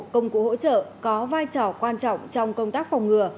công cụ hỗ trợ có vai trò quan trọng trong công tác phòng ngừa